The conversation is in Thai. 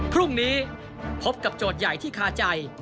พรุ่งนี้พบกับโจทย์ใหญ่ที่คาใจ